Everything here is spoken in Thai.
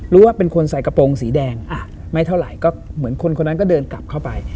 รู้ว่าเป็นคนใส่กระโปรงสีแดงไม่เท่าไหร่ก็เหมือนคนคนนั้นก็เดินกลับเข้าไป